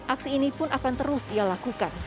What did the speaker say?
aksi ini pun akan terus ia lakukan